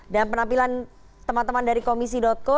dan penampilan teman teman dari komisi co